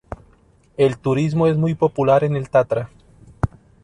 El turismo es muy popular en el Tatra.